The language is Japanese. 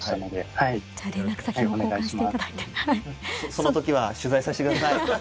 その時は取材させてください。